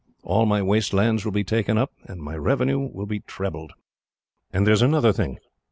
All my waste lands will be taken up. My revenue will be trebled. "There is another thing.